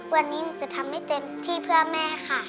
วันนี้หนูจะทำให้เต็มที่เพื่อแม่ค่ะ